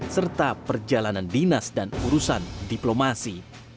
serta perjalanan dinas dan urusan diplomasi